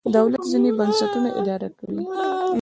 دولت ځینې بنسټونه اداره کېږي.